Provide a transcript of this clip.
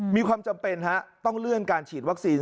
มีความจำเป็นฮะต้องเลื่อนการฉีดวัคซีน